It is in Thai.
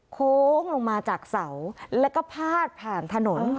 โค้งลงมาจากเสาแล้วก็พาดผ่านถนน